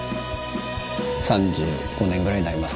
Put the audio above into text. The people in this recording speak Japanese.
３５年ぐらいになりますかね。